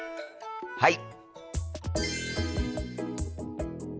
はい！